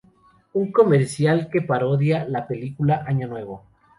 Un comercial que parodia la película "Año Nuevo".